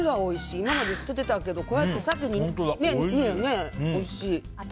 今まで捨ててたけどこうやって先に煮ると。